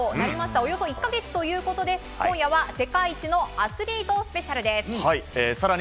およそ１か月ということで今夜は世界のアスリートスペシャルです。